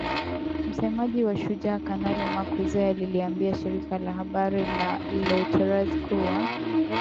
Msemaji wa Shujaa, Kanali Mak Hazukay aliliambia shirika la habari la reuters kuwa.